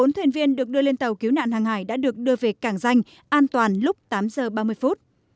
bốn thuyền viên được đưa lên tàu cứu nạn hàng hải đã được đưa về cảng danh an toàn lúc tám giờ ba mươi phút